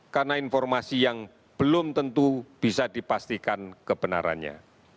karena informasi yang belum tentu bisa dipastikan kebenarannya